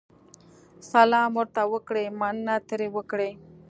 سلام ورته وکړئ، مننه ترې وکړئ.